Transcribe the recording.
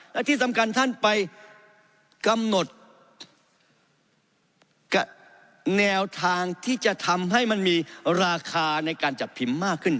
และที่สำคัญท่านไปกำหนดแนวทางที่จะทำให้มันมีราคาในการจัดพิมพ์มากขึ้น